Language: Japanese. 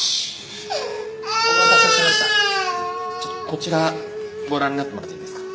こちらご覧になってもらっていいですか？